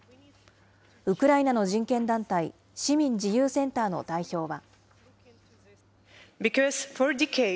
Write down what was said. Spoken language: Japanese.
ウクライナの人権団体、市民自由センターの代表は。